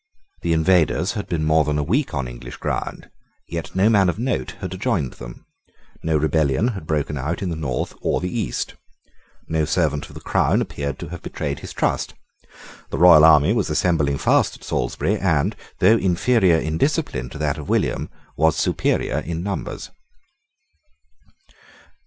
The invaders had been more than a week on English ground. Yet no man of note had joined them. No rebellion had broken out in the north or the east. No servant of the crown appeared to have betrayed his trust. The royal army was assembling fast at Salisbury, and, though inferior in discipline to that of William, was superior in numbers.